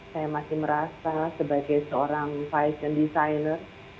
saya masih merasa sebagai seorang fashion designer